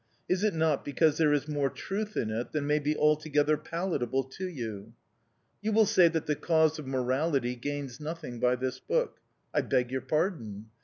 Is it not because there is more truth in it than may be altogether palatable to you?" You will say that the cause of morality gains nothing by this book. I beg your pardon.